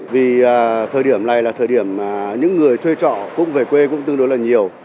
vì thời điểm này là thời điểm những người thuê trọ cũng về quê cũng tương đối là nhiều